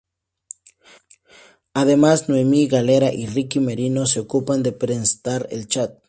Además, Noemí Galera y Ricky Merino se ocupan de presentar "El chat".